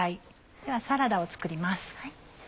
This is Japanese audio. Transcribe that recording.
ではサラダを作ります。